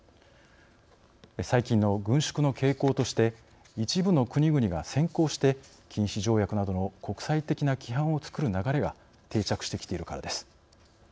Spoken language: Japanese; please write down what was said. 最近の軍縮の傾向として一部の国々が先行して禁止条約などの国際的な規範をつくる流れが定着してきているからです。